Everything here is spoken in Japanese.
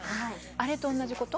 あれと同じこと？